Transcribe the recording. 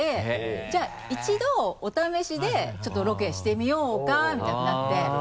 じゃあ一度お試しでちょっとロケしてみようかみたいになって。